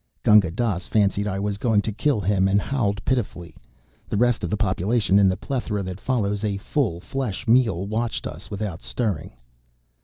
Gunga Dass fancied I was going to kill him and howled pitifully. The rest of the population, in the plethora that follows a full flesh meal, watched us without stirring.